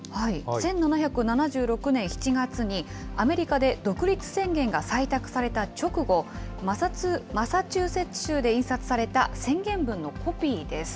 １７７６年７月に、アメリカで独立宣言が採択された直後、マサチューセッツ州で印刷された宣言文のコピーです。